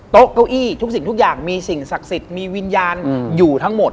เก้าอี้ทุกสิ่งทุกอย่างมีสิ่งศักดิ์สิทธิ์มีวิญญาณอยู่ทั้งหมด